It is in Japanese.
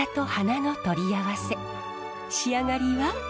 仕上がりは。